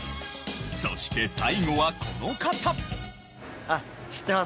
そして最後はこの方。